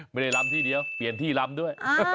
ไม่ได้ลำที่เดียวเปลี่ยนที่ลำด้วย